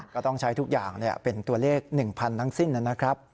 ก็ต้องใช้ทุกอย่างเป็นตัวเลข๑๐๐๐ทั้งสิ้นนะครับ